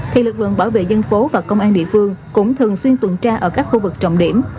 thì lực lượng bảo vệ dân phố và công an địa phương cũng thường xuyên tuần tra ở các khu vực trọng điểm